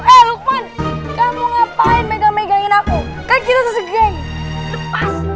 aduh kamu yapain videomegreen aku begini pas